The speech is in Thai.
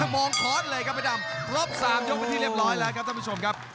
โมงคอร์สเลยครับพระดำครบ๓ยกเป็นที่เรียบร้อยแล้วครับท่านผู้ชมครับ